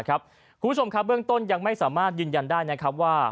คุณผู้ชมครับเบื้องต้นยังไม่สามารถยืนยันได้นะครับว่า